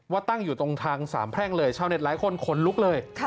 ตั้งอยู่ตรงทางสามแพร่งเลยชาวเน็ตหลายคนขนลุกเลย